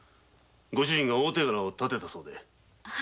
御主人が大手柄を立てたそうで。